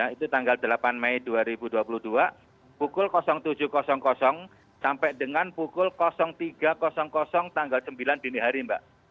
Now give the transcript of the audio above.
itu tanggal delapan mei dua ribu dua puluh dua pukul tujuh sampai dengan pukul tiga tanggal sembilan dini hari mbak